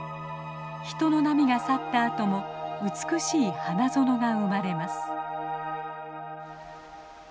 人の波が去ったあとも美しい花園がうまれます。